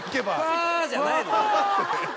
ファじゃないのよ。